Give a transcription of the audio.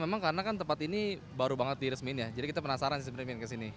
memang karena kan tempat ini baru banget diresmin ya jadi kita penasaran sih sebenernya ingin ke sini